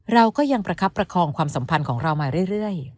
เราก็ยังประคับประคองความสัมพันธ์ของเรามาเรื่อย